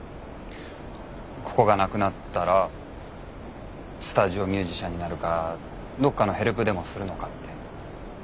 ここがなくなったらスタジオミュージシャンになるかどっかのヘルプでもするのかって。